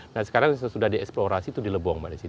nah sekarang sudah di eksplorasi itu di lebong malaysia